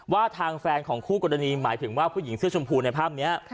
ว่าทางแฟนของคู่กรณีหมายถึงว่าผู้หญิงเสื้อชมพูในภาพนี้